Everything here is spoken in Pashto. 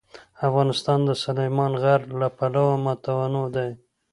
افغانستان د سلیمان غر له پلوه متنوع دی.